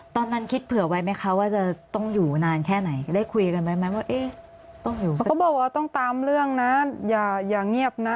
ตอนนั้นคิดเผื่อไว้ไหมคะว่าจะต้องอยู่นานแค่ไหน